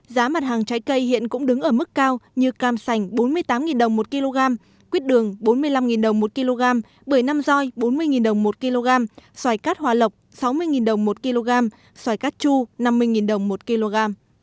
giá mặt hàng trái cây hiện cũng đứng ở mức cao như cam sành bốn mươi tám đồng một kg quyết đường bốn mươi năm đồng một kg bưởi nam roi bốn mươi đồng một kg xoài cát hòa lộc sáu mươi đồng một kg xoài cát chu năm mươi đồng một kg